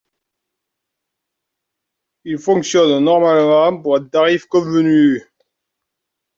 Ils fonctionnent normalement pour un tarif convenu.